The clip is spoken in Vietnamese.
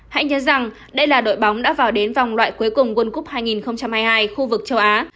hãy nhớ rằng đây là đội bóng đã vào đến vòng loại cuối cùng world cup hai nghìn hai mươi hai khu vực châu á